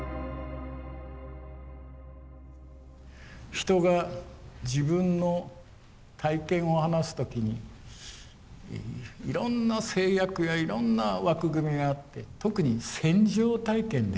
人が自分の体験を話す時にいろんな制約やいろんな枠組みがあって特に戦場体験です。